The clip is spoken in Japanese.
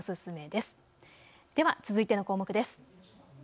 では続いての項目です。